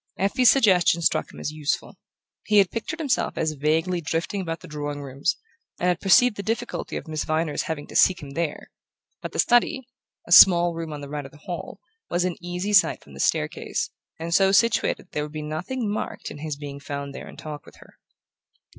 Effie's suggestion struck him as useful. He had pictured himself as vaguely drifting about the drawing rooms, and had perceived the difficulty of Miss Viner's having to seek him there; but the study, a small room on the right of the hall, was in easy sight from the staircase, and so situated that there would be nothing marked in his being found there in talk with her.